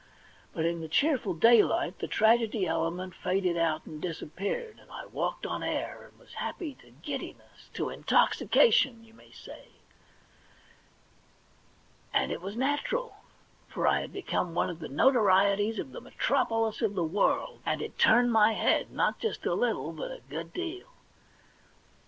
But in the cheerful daylight the tragedy element faded out and disappeared, and I walked on air, and was happy to giddiness, to intoxication, you may say. And it was natural ; for I had become one of the notorieties of the metropolis of the world, and it turned my head, not just a little, but a good deal.